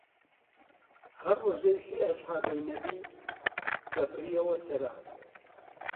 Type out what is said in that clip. هەر ڕوژەی سێ ئەسحابەی نەبی دەبڕیەوە سەرە